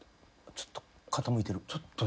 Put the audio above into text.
・ちょっと動いてる。